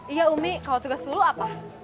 iya umi kalau tugas dulu apa